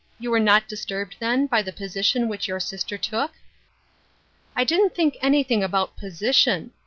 " You were not disturbed, then, by the position which your sister took ?"" I didn't think anything about position.